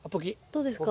どうですか？